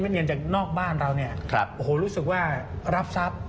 เงินจากนอกบ้านเราเนี่ยโอ้โหรู้สึกว่ารับทรัพย์